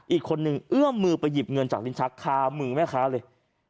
อีกคนนึงเอื้อมมือไปหยิบเงินจากลิ้นชักคามือแม่ค้าเลย